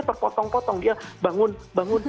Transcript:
terpotong potong dia bangun bangun